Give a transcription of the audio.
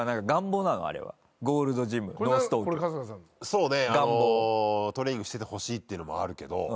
そうねトレーニングしててほしいっていうのもあるけど。